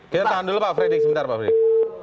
kita tahan dulu pak fredrik sebentar pak frederick